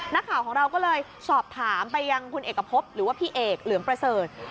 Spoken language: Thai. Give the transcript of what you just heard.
นักข่าวของเราก็เลยสอบถามไปยังคุณเอกพบหรือว่าพี่เอกเหลือมประเสริฐ